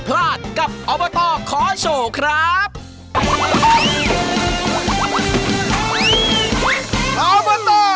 ครับอบตร้องโชว์